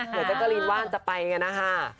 เหนือจ๊ะกลีนว่านจะไปอย่างนี้นะคะ